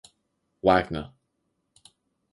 Wagner.